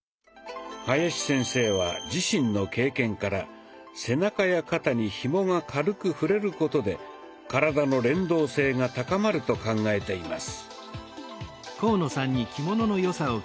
林先生は自身の経験から背中や肩にひもが軽く触れることで体の連動性が高まると考えています。